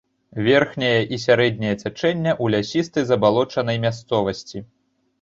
Верхняе і сярэдняе цячэнне ў лясістай забалочанай мясцовасці.